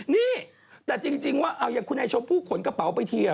นี่แต่จริงว่าเอาอย่างคุณไอ้ชมพู่ขนกระเป๋าไปที